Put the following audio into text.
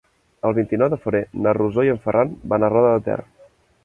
El vint-i-nou de febrer na Rosó i en Ferran van a Roda de Ter.